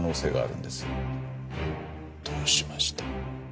どうしました？